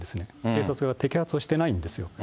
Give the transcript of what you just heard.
警察が摘発をしてないんですよ。